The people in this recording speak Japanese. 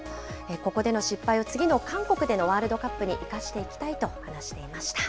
ここでの失敗を次の韓国でのワールドカップに生かしていきたいと話していました。